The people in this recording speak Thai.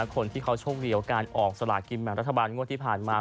คนที่เขาโชคดีกับการออกสลากินแบ่งรัฐบาลงวดที่ผ่านมา